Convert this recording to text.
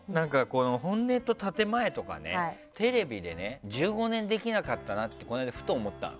本音と建て前とかテレビで１５年できなかったなってこの間ふと思ったの。